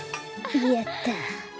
やった。